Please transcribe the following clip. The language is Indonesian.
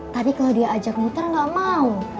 tadi kalau dia ajak muter gak mau